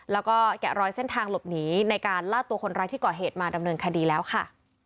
แล้วก็แกะรอยเส้นทางหลบหนีในการล่าตัวคนร้ายที่ก่อเหตุมาดำเนินคดีแล้วค่ะ